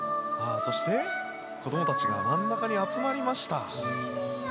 そして子どもたちが真ん中に集まりました。